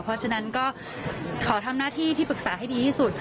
เพราะฉะนั้นก็ขอทำหน้าที่ที่ปรึกษาให้ดีที่สุด